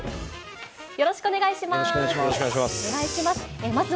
よろしくお願いします。